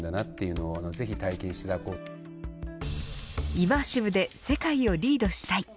イマーシブで世界をリードしたい。